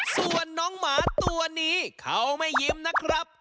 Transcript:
ส่วนน้องหมาตัวนี้เขาไม่ยิ้มนะครับ